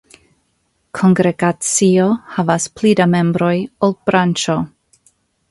Kongregacio havas pli da membroj ol branĉo.